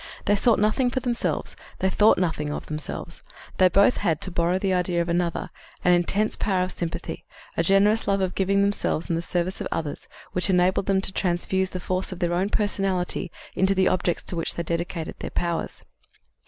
They sought nothing for themselves, they thought nothing of themselves. They both had, to borrow the idea of another, an intense power of sympathy, a generous love of giving themselves to the service of others, which enabled them to transfuse the force of their own personality into the objects to which they dedicated their powers.